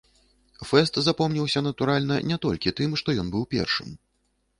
Фэст запомніўся, натуральна, не толькі тым, што ён быў першым.